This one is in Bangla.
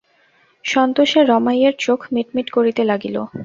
সন্তোষে রমাইয়ের চোখ মিটমিট করিতে লাগিল।